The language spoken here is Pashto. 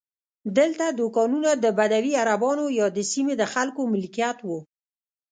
دلته دوکانونه د بدوي عربانو یا د سیمې د خلکو ملکیت وو.